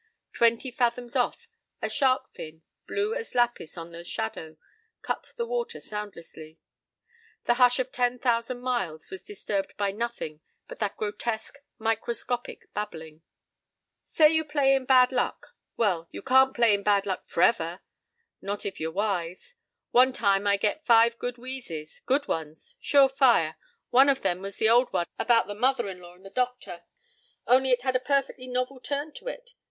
Twenty fathoms off a shark fin, blue as lapis in the shadow, cut the water soundlessly. The hush of ten thousand miles was disturbed by nothing but that grotesque, microscopic babbling: "Say you play in bad luck. Well, you can't play in bad luck f'rever. Not if you're wise. One time I get five good wheezes. Good ones! Sure fire! One of 'em was the old one about the mother 'n law and the doctor, only it had a perfectly novel turn to it.